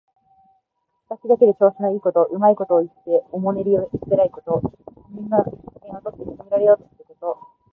口先だけで調子のいいこと、うまいことを言っておもねりへつらうこと。他人の機嫌をとって気に入られようとすること。